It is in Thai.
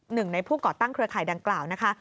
หนึ่งในผู้ก่อตั้งเครือข่ายดังกล่าวนะคะ